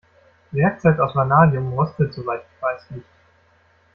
Werkzeug aus Vanadium rostet soweit ich weiß nicht.